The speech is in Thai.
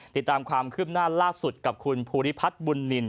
ติดตามความคืบหน้าล่าสุดกับคุณภูริพัฒน์บุญนิน